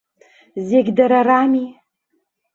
Зегь дара рами.